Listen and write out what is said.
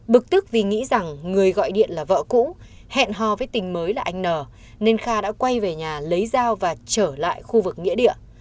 bực tức vì nghĩ rằng người gọi điện là vợ cũ hẹn hò với tình mới là anh n nên kha đã quay về nhà lấy dao và trở lại khu vực nghĩa địa